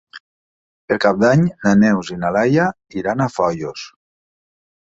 Per Cap d'Any na Neus i na Laia iran a Foios.